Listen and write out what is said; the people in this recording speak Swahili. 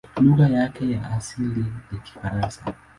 Lugha yake ya asili ni Kifaransa.